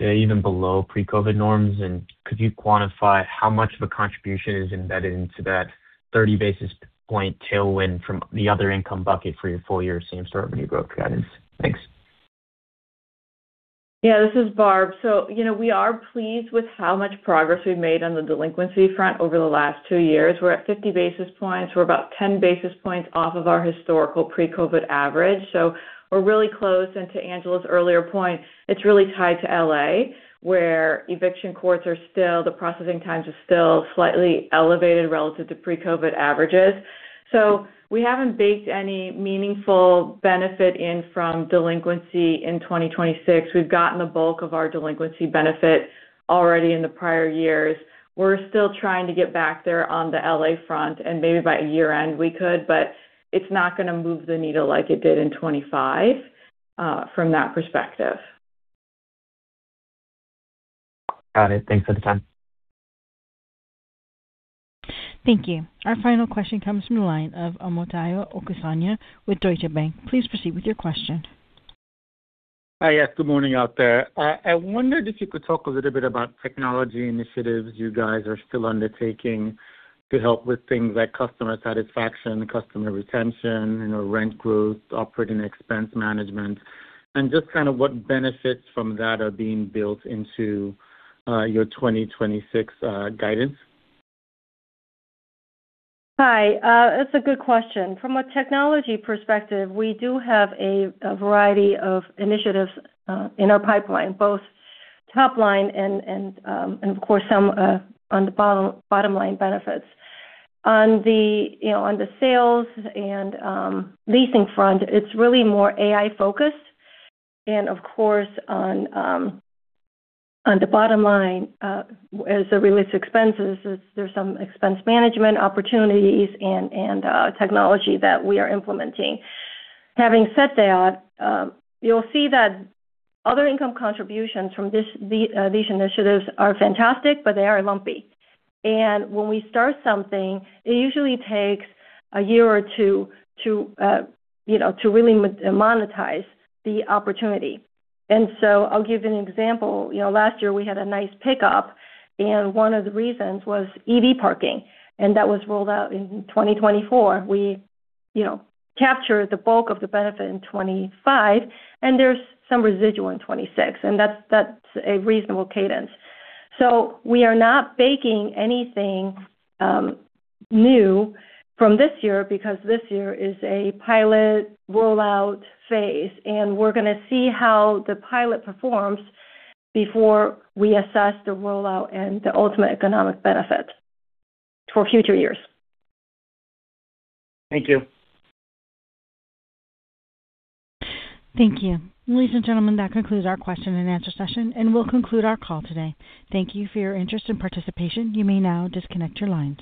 even below pre-COVID norms? And could you quantify how much of a contribution is embedded into that 30 basis point tailwind from the other income bucket for your full year same store revenue growth guidance? Thanks. Yeah, this is Barb. So, you know, we are pleased with how much progress we've made on the delinquency front over the last two years. We're at 50 basis points. We're about 10 basis points off of our historical pre-COVID average, so we're really close. And to Angela's earlier point, it's really tied to L.A., where eviction courts are still, the processing times are still slightly elevated relative to pre-COVID averages. So we haven't baked any meaningful benefit in from delinquency in 2026. We've gotten the bulk of our delinquency benefit already in the prior years. We're still trying to get back there on the L.A. front, and maybe by year-end we could, but it's not going to move the needle like it did in 2025 from that perspective.... Got it. Thanks for the time. Thank you. Our final question comes from the line of Omotayo Okusanya with Deutsche Bank. Please proceed with your question. Hi. Yes, good morning out there. I wondered if you could talk a little bit about technology initiatives you guys are still undertaking to help with things like customer satisfaction, customer retention, you know, rent growth, operating expense management, and just kind of what benefits from that are being built into your 2026 guidance. Hi, that's a good question. From a technology perspective, we do have a variety of initiatives in our pipeline, both top line and of course some on the bottom line benefits. You know, on the sales and leasing front, it's really more AI focused and of course on the bottom line as it relates to expenses, there's some expense management opportunities and technology that we are implementing. Having said that, you'll see that other income contributions from these initiatives are fantastic, but they are lumpy. And when we start something, it usually takes a year or two to really monetize the opportunity. And so I'll give you an example. You know, last year we had a nice pickup, and one of the reasons was EV parking, and that was rolled out in 2024. We, you know, captured the bulk of the benefit in 2025, and there's some residual in 2026, and that's, that's a reasonable cadence. So we are not baking anything new from this year, because this year is a pilot rollout phase, and we're gonna see how the pilot performs before we assess the rollout and the ultimate economic benefits for future years. Thank you. Thank you. Ladies and gentlemen, that concludes our question and answer session, and we'll conclude our call today. Thank you for your interest and participation. You may now disconnect your line.